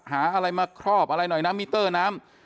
หาอะไรมาครอบอะไรหน่อยนะมิเตอร์น้ำ